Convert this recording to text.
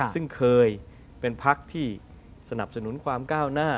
ซึ่งเคยเป็นพักที่สนับสนุนความก้าวหน้า